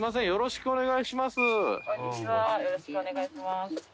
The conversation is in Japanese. よろしくお願いします